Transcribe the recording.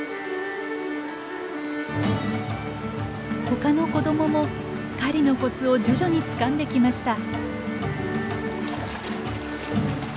他の子どもも狩りのコツを徐々につかんできました。